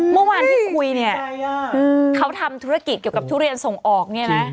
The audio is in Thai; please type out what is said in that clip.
เมื่อวานที่คุยเขาทำธุรกิจเกี่ยวกับทุเรียนส่งออก